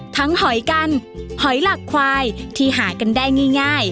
หอยกันหอยหลักควายที่หากันได้ง่าย